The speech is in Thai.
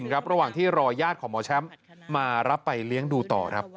รอบหยาดของหมอแชมป์มารับไปเลี้ยงดูต่อ